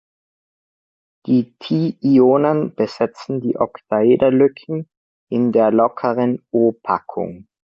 Die Ti-Ionen besetzen die Oktaederlücken in der lockeren O-Packung.